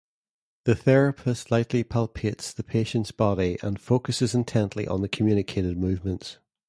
The therapist lightly palpates the patient's body, and focuses intently on the communicated movements.